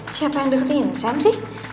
siapa yang deketin sam sih